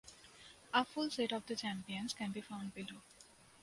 A full set of the champions can be found below.